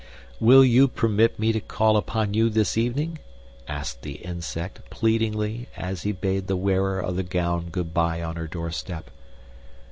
"Will you permit me to call upon you this evening?" asked the Insect, pleadingly, as he bade the wearer of the gown good bye on her door step.